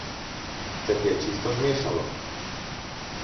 Se ti je čisto zmešalo?